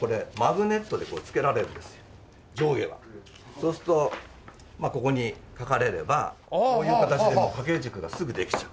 そうするとここに書かれればこういう形でもう掛け軸がすぐできちゃう。